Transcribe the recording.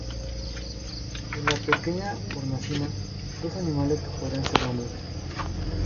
En la "Pequeña Hornacina", dos animales que podrían ser mamuts.